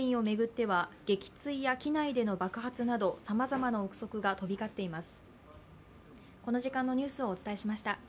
墜落原因を巡っては撃墜や機内の爆発などさまざまな臆測が飛び交っています。